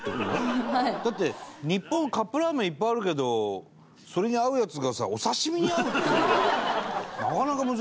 だって日本カップラーメンいっぱいあるけどそれに合うやつがさお刺身に合うっていうのは。